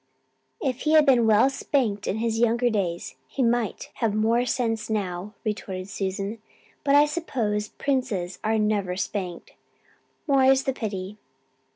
"If he had been well spanked in his younger days he might have more sense now," retorted Susan. "But I suppose princes are never spanked, more is the pity.